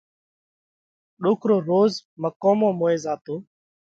ڏوڪرو روز مقومون موئين زاتو